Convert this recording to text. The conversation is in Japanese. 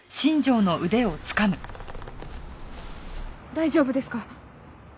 大丈夫ですか？